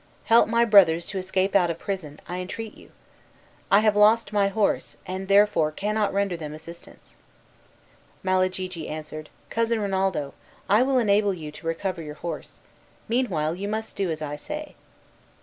Help my brothers to escape out of prison, I entreat you. I have lost my horse, and therefore cannot render them any assistance." Malagigi answered, "Cousin Rinaldo, I will enable you to recover your horse. Meanwhile, you must do as I say."